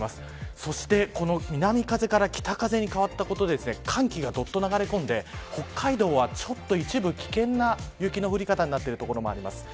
そしてこの南風から北風に変わったことで寒気がどっと流れ込んで北海道は一部、危険な雪の降り方になっている所もあります。